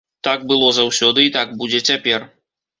Так было заўсёды і так будзе цяпер.